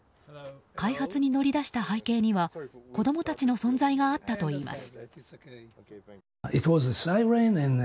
開発に乗り出した背景には子供たちの存在があったといいます。